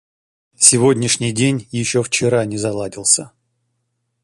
Сегодняшний день еще вчера не заладился.